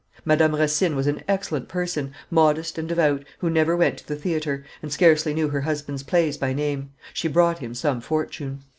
Madame Racine was an excellent person, modest and devout, who never went to the theatre, and scarcely knew her husband's plays by name; she brought him some fortune.